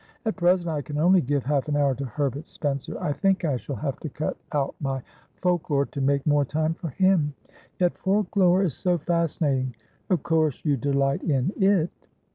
At present I can only give half an hour to Herbert SpencerI think I shall have to cut out my folk lore to make more time for him. Yet folk lore is so fascinating! Of course you delight in it?"